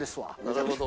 なるほど。